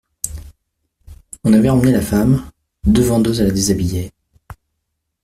On avait emmené la femme, deux vendeuses la déshabillaient.